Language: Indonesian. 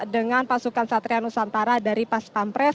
dengan pasukan satria nusantara dari pas pampres